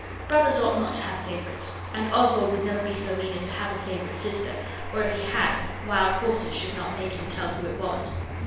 Brothers ought not to have favourites, and Oswald would never be so mean as to have a favourite sister, or, if he had, wild horses should not make him tell who it was.